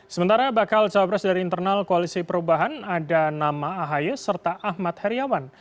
sementara bakal cawapres dari internal koalisi perubahan ada nama ahy serta ahmad heriawan